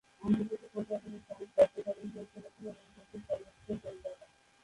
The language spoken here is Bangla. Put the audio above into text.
আন্তর্জাতিক পর্যায়ে তিনি ফ্রান্স জাতীয় দলের হয়ে খেলেছেন এবং তার দেশের সর্বোচ্চ গোলদাতা।